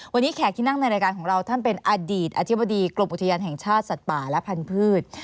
วันนี้แขกที่นั่งในรายการของเราท่านเป็นอดีตอธิบดีกรมอุทยานแห่งชาติสัตว์ป่าและพันธุ์